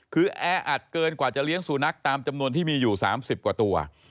คือแออัดเกินกว่าจะเลี้ยงสุนัขตามจำนวนที่มีอยู่๓๐กว่าตัว